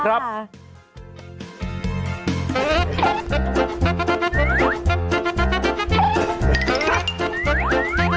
เพราะฉะนั้นต้องระมัดมากเลย